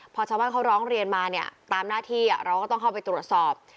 พอชาวบ้านเขาร้องเรียนมาเนี่ยตามหน้าที่เราก็ต้องเข้าไปตรวจสอบ